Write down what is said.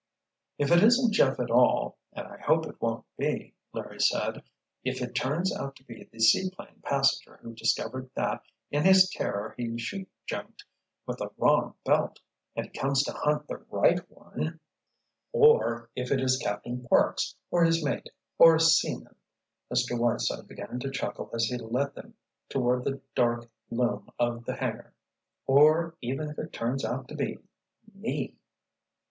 "If it isn't Jeff at all—and I hope it won't be," Larry said, "if it turns out to be the seaplane passenger who discovered that in his terror he chute jumped with the wrong belt, and he comes to hunt the right one——" "Or if it is Captain Parks, or his mate, or a seaman—" Mr. Whiteside began to chuckle as he led them toward the dark loom of the hangar, "Or—even if it turns out to be—me!